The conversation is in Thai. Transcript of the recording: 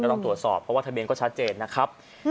ต้องตรวจสอบเพราะว่าทะเบียนก็ชัดเจนนะครับ